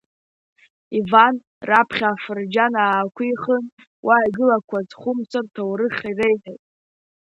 Иван раԥхьа афырџьан аақәихын, уа игылақәаз Хәымса иҭоурых реиҳәеит.